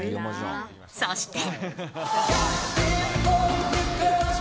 そして。